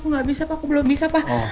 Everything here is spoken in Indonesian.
aku gak bisa pak aku belum bisa pak